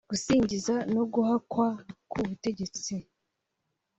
gusingiza no guhakwa ku butegetsi